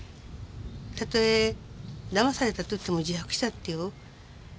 たとえだまされたといっても自白したっていう。